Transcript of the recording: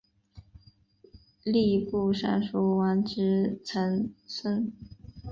吏部尚书王直曾孙。